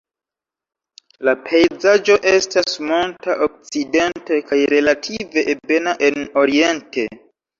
La pejzaĝo estas monta okcidente kaj relative ebena en oriente.